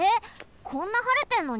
こんなはれてんのに？